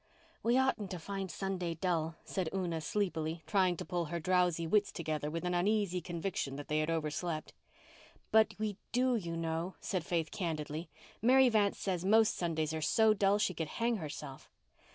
"We oughtn't to find Sunday dull," said Una sleepily, trying to pull her drowsy wits together with an uneasy conviction that they had overslept. "But we do, you know," said Faith candidly. "Mary Vance says most Sundays are so dull she could hang herself."